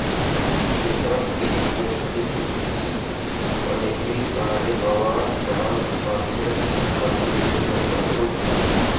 এসব বিত্তশালী ব্যক্তির অনেকেই কার্ডে পাওয়া চাল মাছের খাদ্য হিসেবে ব্যবহার করছেন।